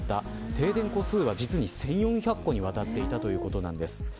停電戸数は実に１４００に渡っていたということなんです。